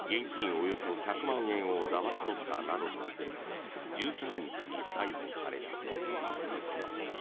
およそ１００万円をだまし取ったなどとして１３日に逮捕された。